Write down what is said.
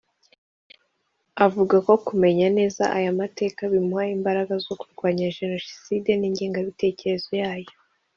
avuga ko kumenya neza aya mateka bimuha imbaraga zo kurwanya Jenoside n’ingengabitekerezo yayo